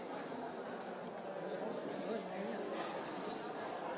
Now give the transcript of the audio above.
ขอบคุณครับ